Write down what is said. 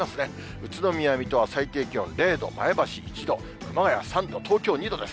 宇都宮、水戸は最低気温０度、前橋１度、熊谷３度、東京２度です。